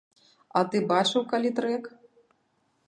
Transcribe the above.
А ты бачыў калі трэк?